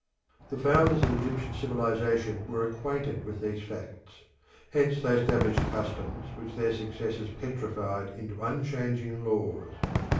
The founders of Egyptian civilisation were acquainted with these facts. Hence they established customs which their successors petrified into unchanging laws.